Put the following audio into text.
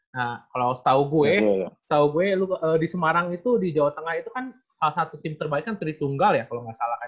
nah kalau setahu gue setahu gue di semarang itu di jawa tengah itu kan salah satu tim terbaik kan tritunggal ya kalau nggak salah kan